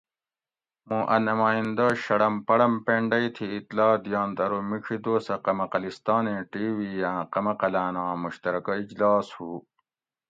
موں اۤ نمائندہ شڑم پڑم پینڈئی تھی اطلاع دئینت ارو میڄی دوسہ قمقلستانیں ٹی وی آں قمقلاناں مشترکہ اجلاس ہو